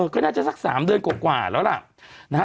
อยู่นี่ซัก๓เดือนกว่าแล้วนะ